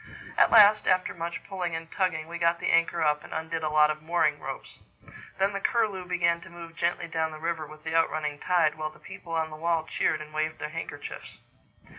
At last, after much pulling and tugging, we got the anchor up and undid a lot of mooring ropes. Then the Curlew began to move gently down the river with the out running tide, while the people on the wall cheered and waved their handkerchiefs.